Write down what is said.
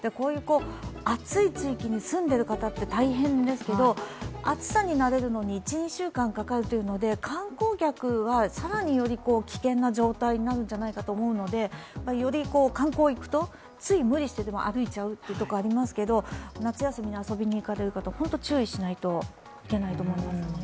暑い地域に住んでいる方、大変ですが暑さに慣れるのに１２週間かかるというので観光客は更により危険な状態になるんじゃないかと思うので、より観光行くと、つい無理してでも歩いちゃうというところありますけど夏休みに遊びに行かれる方、注意しないといけないと思います。